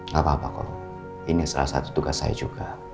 gak apa apa kok ini salah satu tugas saya juga